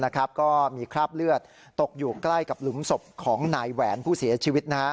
ก็มีคราบเลือดตกอยู่ใกล้กับหลุมศพของนายแหวนผู้เสียชีวิต